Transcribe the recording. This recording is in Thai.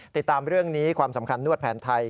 ติดตามเรื่องนี้ความสำคัญนวดแผนไทย